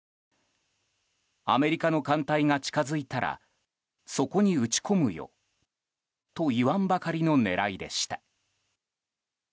アメリカの艦隊が近づいたらそこに撃ち込むよと言わんばかりの狙いでした。